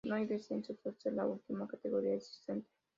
No hay descensos al ser la última categoría existente.